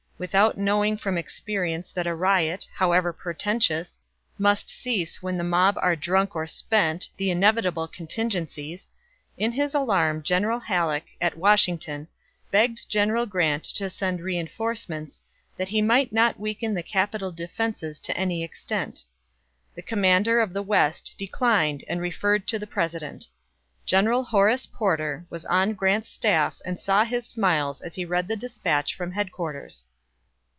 Without knowing from experience that a riot, however portentous, must cease when the mob are drunk or spent, the inevitable contingencies, in his alarm General Halleck, at Washington, begged General Grant to send reenforcements, that he might not weaken the capital defenses to any extent. The commander of the West declined and referred to the President. General Horace Porter was on Grant's staff and saw his smiles as he read the despatch from headquarters.